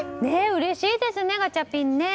うれしいですね、ガチャピン。